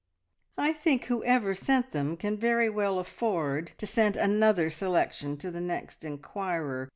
"I think whoever sent them can very well afford to send another selection to the next inquirer.